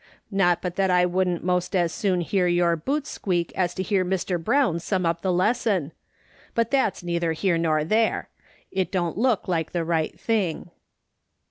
Not but that I wouldn't most as soon hear your boots squeak as to hear Mr. Brown sum up the lesson. But that's neither here nor there ; it don't look like the right thing.